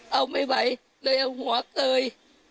เอาไม่ไหวเลยเอาหัวเกย